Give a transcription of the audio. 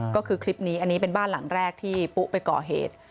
ก็คือคลิปนี้อันนี้เป็นบ้านหลังแรกที่ปุ๊ไปก่อเหตุ